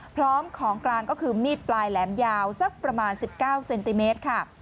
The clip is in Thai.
พร้อมของกลางก็คือมีดปลายแหลมยาวสักประมาณ๑๙เซนติเมตรค่ะ